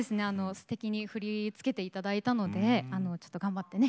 すてきに振り付けていただいたのでちょっと頑張ってね